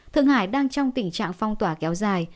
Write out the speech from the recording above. thượng hải đang trong tình trạng phong tỏa kéo dài